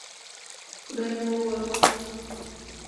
خدای مو ووهه